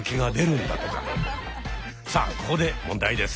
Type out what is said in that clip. さあここで問題です。